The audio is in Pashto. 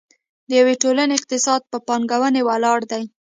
د یوې ټولنې اقتصاد په پانګونې ولاړ دی.